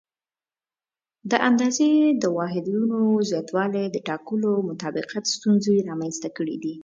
د اندازې د واحداتو زیاتوالي د ټاکلو او مطابقت ستونزې رامنځته کړې.